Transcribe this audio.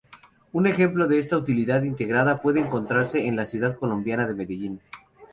Un ejemplo de esta utilidad integrada puede encontrarse en la ciudad colombiana de Medellín.